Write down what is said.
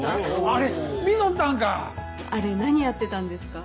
あれ何やってたんですか？